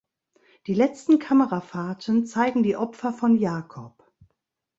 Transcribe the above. Die letzten Kamerafahrten zeigen die Opfer von Jacob.